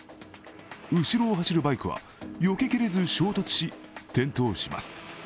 後ろを走るバイクはよけきれず、衝突し、転倒します。